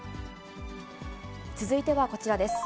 続いてはこちらです。